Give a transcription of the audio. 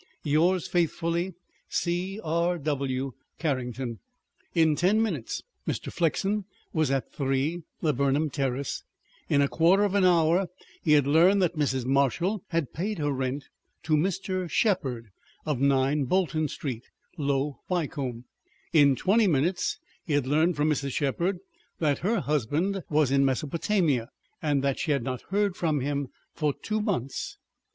"Yours faithfully, "C.R.W. CARRINGTON." In ten minutes Mr. Flexen was at 3, Laburnum Terrace; in a quarter of an hour he had learned that Mrs. Marshall had paid her rent to Mr. Shepherd, of 9, Bolton Street, Low Wycombe; in twenty minutes he had learned from Mrs. Shepherd that her husband was in Mesopotamia, and that she had not heard from him for two months.